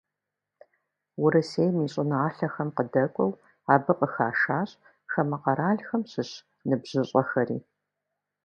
Урысейм и щӀыналъэхэм къыдэкӀуэу, абы къыхашащ хамэ къэралхэм щыщ ныбжьыщӀэхэри.